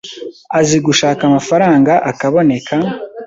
azi gushaka amafaranga akaboneka,